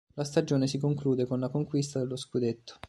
La stagione si conclude con la conquista dello scudetto.